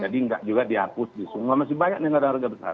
jadi enggak juga dihapus di semua masih banyak negara negara besar